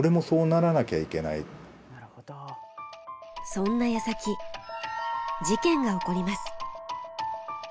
そんなやさき事件が起こります。